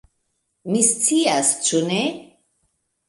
Mi scias, ĉu ne?